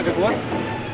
enak banget ya